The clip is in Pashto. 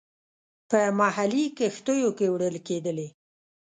په محلي کښتیو کې وړل کېدلې.